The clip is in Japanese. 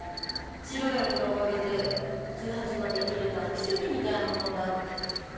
治療薬のおかげで１８まで生きれたの奇跡みたいなもんだって。